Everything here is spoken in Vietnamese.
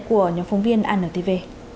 của nhóm phóng viên anntv